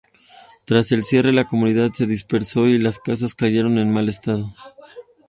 Tras el cierre, la comunidad se dispersó y las casas cayeron en mal estado.